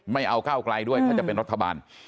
ไม่เอาก้าวไกลด้วยถ้าจะเป็นรัฐบาล